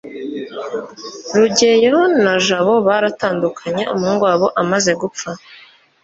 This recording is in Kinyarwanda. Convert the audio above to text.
rugeyo na jabo baratandukanye umuhungu wabo amaze gupfa